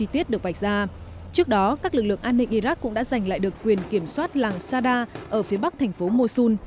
trong đó các lực lượng an ninh iraq cũng đã giành lại được quyền kiểm soát làng sadar ở phía bắc thành phố mosul